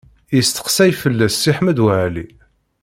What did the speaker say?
Yesteqsay fell-as Si Ḥmed Waɛli.